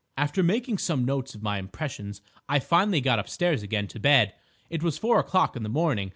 "After making some notes of my impressions I finally got upstairs again to bed. It was four o'clock in the morning.